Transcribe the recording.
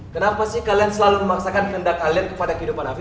kenapa sih kalian selalu memaksakan kehendak kalian kepada kehidupan hafi